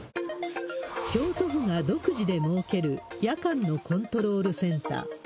京都府が独自で設ける夜間のコントロールセンター。